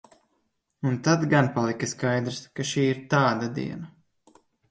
Un tad gan palika skaidrs, ka šī ir tāda diena.